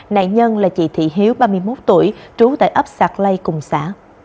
nạn nhân là chị thị hiếu ba mươi một tuổi trú tại ấp sạc lây cùng xã